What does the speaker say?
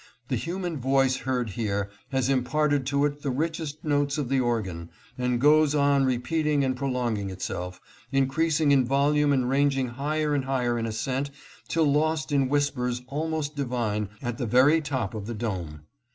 The human voice heard here has imparted to it the richest notes of the organ, and goes on repeat ing and prolonging itself, increasing in volume and ran ging higher and higher in ascent till lost in whispers almost divine at the very top of the dome.